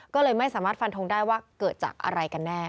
ก็เลยไม่สามารถฟันทงได้ว่าเกิดจากอะไรกันแน่